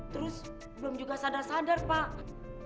terus belum juga sadar sadar pak